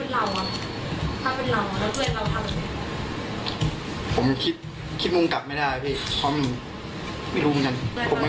อยากจะบอกอะไรกับเพื่อนนะ